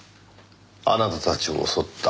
あなたたちを襲った。